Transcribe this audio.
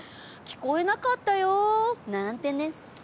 聞こえなかったよ。なんてね。